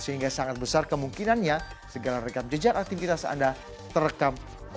sehingga sangat besar kemungkinannya segala rekam jejak aktivitas anda terekam